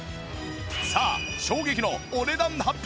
さあ衝撃のお値段発表！